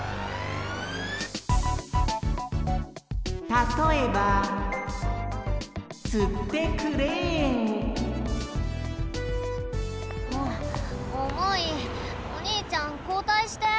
たとえばおおもいおにいちゃんこうたいして！